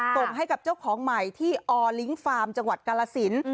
ส่งให้กับเจ้าของใหม่ที่ออลิงก์ฟาร์มจังหวัดกาลสิน